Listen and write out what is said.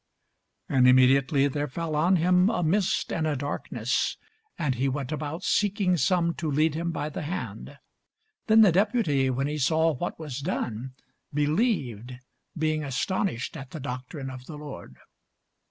And immediately there fell on him a mist and a darkness; and he went about seeking some to lead him by the hand. Then the deputy, when he saw what was done, believed, being astonished at the doctrine of the Lord.